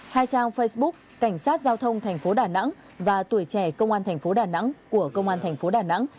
hai trang facebook cảnh sát giao thông tp đà nẵng và tuổi trẻ công an tp đà nẵng của công an tp đà nẵng